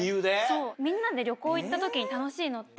そうみんなで旅行行った時に楽しいのって。